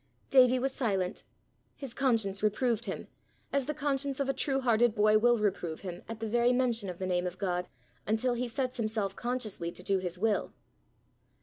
Davie was silent. His conscience reproved him, as the conscience of a true hearted boy will reprove him at the very mention of the name of God, until he sets himself consciously to do his will.